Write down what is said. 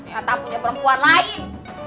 kata punya perempuan lain